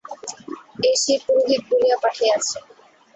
এ সেই পুরোহিত বলিয়া পাঠাইয়াছে।